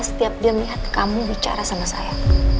setiap dia melihat kamu bicara sama saya